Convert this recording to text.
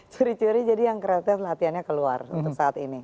curi curi jadi yang kreatif latihannya keluar untuk saat ini